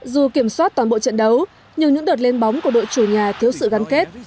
dù kiểm soát toàn bộ trận đấu nhưng những đợt lên bóng của đội chủ nhà thiếu sự gắn kết